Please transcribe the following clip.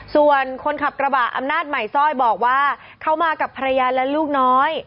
ส่วนคนขับกระบะอำนาจใหม่สร้อยบอกว่าเขามากับภรรยาและลูกน้อย